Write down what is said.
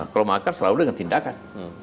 kalau makar selalu dengan tindakan